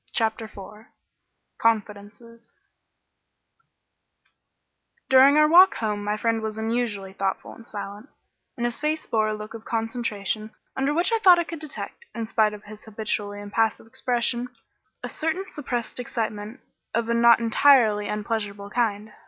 CHAPTER IV CONFIDENCES During our walk home my friend was unusually thoughtful and silent, and his face bore a look of concentration under which I thought I could detect, in spite of his habitually impassive expression, a certain suppressed excitement of a not entirely unpleasurable kind.